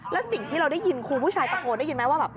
แล้วสิ่งที่เราได้ยินครูผู้ชายตะโกนได้ยินไหมว่าแบบ